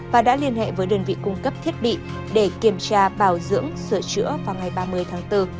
và đã liên hệ với đơn vị cung cấp thiết bị để kiểm tra bảo dưỡng sửa chữa vào ngày ba mươi tháng bốn